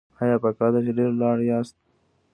ایا په کار کې ډیر ولاړ یاست؟